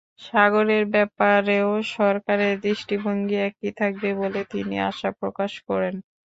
সাগরের ব্যাপারেও সরকারের দৃষ্টিভঙ্গি একই থাকবে বলে তিনি আশা প্রকাশ করেন।